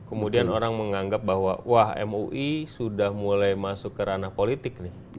kemudian orang menganggap bahwa wah mui sudah mulai masuk ke ranah politik nih